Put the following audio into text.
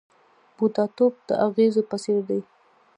بوډاتوب د اغزیو په څېر دی .